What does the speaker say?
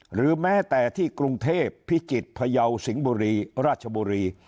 หรือแม้แต่ที่กรุงเทพพิจิตรพยาวสิงห์บุรีราชบุรี